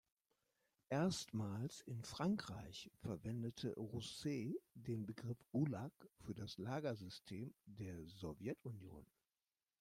Erstmals in Frankreich verwendete Rousset den Begriff Gulag für das Lagersystem der Sowjetunion.